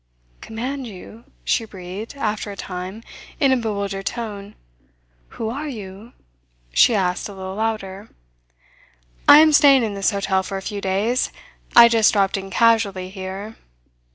"Command you?" she breathed, after a time, in a bewildered tone. "Who are you?" she asked a little louder. "I am staying in this hotel for a few days. I just dropped in casually here.